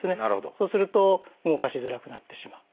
そうすると動かしづらくなってしまう。